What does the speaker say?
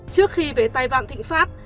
trước khi về tài vạn thịnh pháp